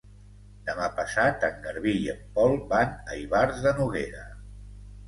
Demà passat en Garbí i en Pol van a Ivars de Noguera.